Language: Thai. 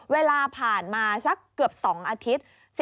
เวลาผ่านมาสักเกือบ๒อาทิตย์